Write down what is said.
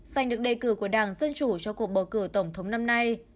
giành được đề cử của đảng dân chủ cho cuộc bầu cử tổng thống năm nay